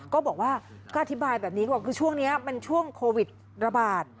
ก็บอกว่าก็อธิบายแบบนี้ก่อนคือช่วงนี้มันช่วงโควิดระบาด